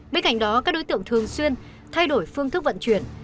bên cạnh đó các đối tượng thường xuyên thay đổi phương thức vận chuyển